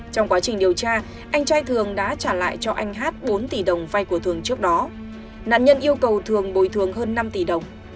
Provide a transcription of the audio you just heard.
tại phiên tòa anh trai thường đã trả lại cho anh hát bốn tỷ đồng vay của thường trước đó nạn nhân yêu cầu thường bồi thường hơn năm tỷ đồng